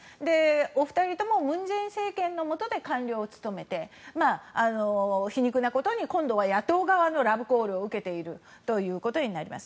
お２人とも文在寅政権のもとで官僚を務めて皮肉なことに今度は野党側のラブコールを受けていることになります。